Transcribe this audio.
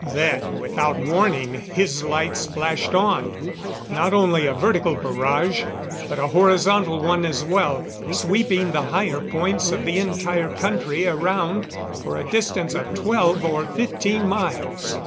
Then, without warning, his lights flashed on not only a vertical barrage, but a horizontal one as well sweeping the higher points of the entire country around for a distance of twelve or fifteen miles.